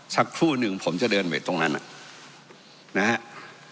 สักครู่หนึ่งผมจะเดินไปตรงนั้นนะฮะ